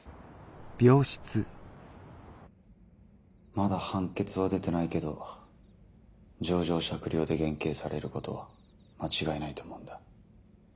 まだ判決は出てないけど情状酌量で減刑されることは間違いないと思うんだ。